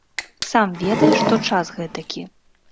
Сам ведай, што час гэтакі.